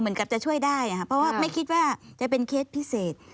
เหมือนกับจะช่วยได้ค่ะเพราะว่าไม่คิดว่าจะเป็นเคสพิเศษ